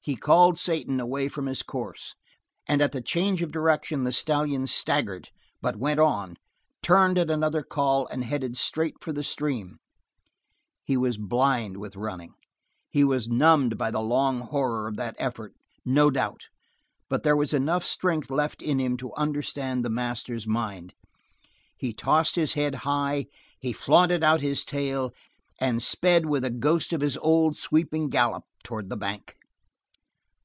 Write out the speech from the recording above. He called Satan away from his course, and at the change of direction the stallion staggered, but went on, turned at another call, and headed straight for the stream. He was blind with running; he was numbed by the long horror of that effort, no doubt, but there was enough strength left in him to understand the master's mind. He tossed his head high, he flaunted out his tail, and sped with a ghost of his old sweeping gallop toward the bank.